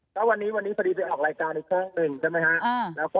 ก็วันนี้วันนี้สัดีออกรายการอีกข้างนึงใช่ไหมฮะแล้วก็ออก